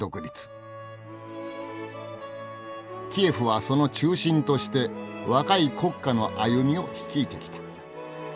キエフはその中心として若い国家の歩みを率いてきた。